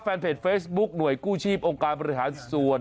แฟนเพจเฟซบุ๊คหน่วยกู้ชีพองค์การบริหารส่วน